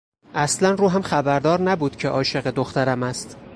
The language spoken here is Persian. اصلا روحم خبردار نبود که عاشق دخترم است.